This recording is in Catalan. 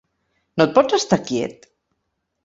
No et pots estar quiet?